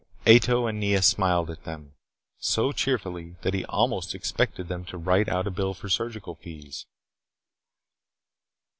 Ato and Nea smiled at them. So cheerfully that he almost expected them to write out a bill for surgical fees.